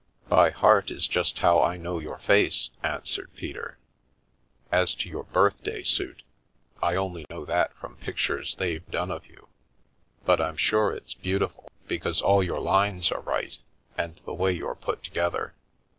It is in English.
" By heart is just how I know your face," answered Peter. "As to your birthday suit, I only know that from pictures they've done of you, but I'm sure it's beau tiful because all your lines are right and the way you're put together.